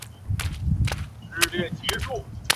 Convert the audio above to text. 球员退役后转任教练。